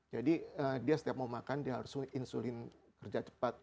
jadi dia setiap mau makan dia harus insulin kerja cepat